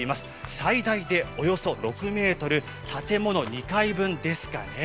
最大でおよそ６ｍ、建物２階分ですかね。